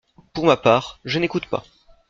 -pour ma part, je n’écoute pas.